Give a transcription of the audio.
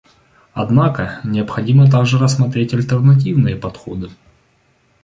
Однако необходимо также рассмотреть альтернативные подходы.